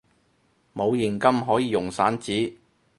冇現金可以用散紙！